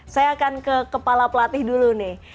saya akan ke kepala pelatih dulu nih